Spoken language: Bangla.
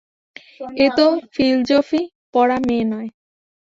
এ তো ফিলজফি-পড়া মেয়ে নয়।